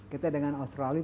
kita dengan australia